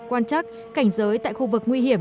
quan chắc cảnh giới tại khu vực nguy hiểm